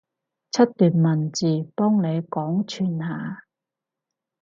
出段文字，幫你廣傳下？